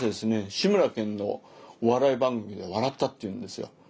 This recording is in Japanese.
志村けんのお笑い番組で笑ったっていうんですよ。